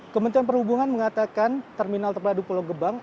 kementerian perhubungan mengatakan terminal terpadu pulau gebang